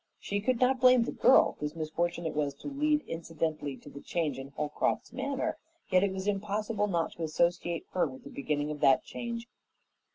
She could not blame the girl, whose misfortune it was to lead incidentally to the change in Holcroft's manner, yet it was impossible not to associate her with the beginning of that change.